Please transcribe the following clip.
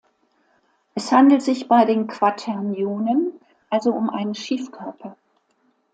Es handelt sich bei den Quaternionen also um einen Schiefkörper.